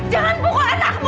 jangan buka anakmu